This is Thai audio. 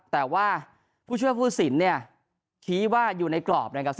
แต่ว่าผู้ช่วยผู้สินพี่ว่าอยู่ในกรอบกัน